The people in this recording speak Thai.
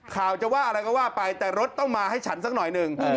ข่าวจะว่าอะไรก็ว่าไปแต่รถต้องมาให้ฉันสักหน่อยหนึ่ง